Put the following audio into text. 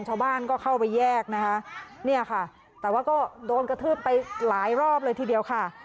ชาวบ้านก็เข้าไปแยกนะคะเนี่ยค่ะแต่ว่าก็โดนกระทืบไปหลายรอบเลยทีเดียวค่ะ